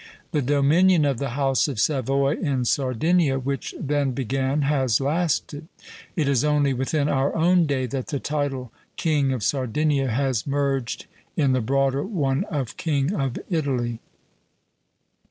The dominion of the House of Savoy in Sardinia, which then began, has lasted; it is only within our own day that the title King of Sardinia has merged in the broader one of King of Italy.